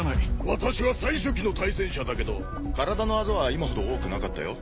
私は最初期の対戦者だけど体のアザは今ほど多くなかったよ。